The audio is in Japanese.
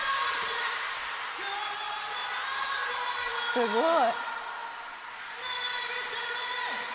すごい。